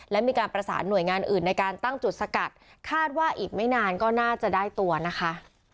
และมีการประสานหน่วยงานอื่นในการตั้งจุดสกัดคาดว่าอีกไม่นานก็น่าจะได้ตัวนะคะ